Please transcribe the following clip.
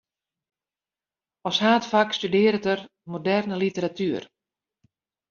As haadfak studearret er moderne literatuer.